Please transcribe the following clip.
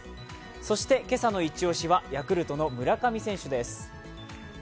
そして今朝のイチ押しはヤクルトの村上選手です。